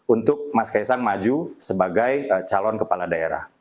untuk mas kaisang maju sebagai calon kepala daerah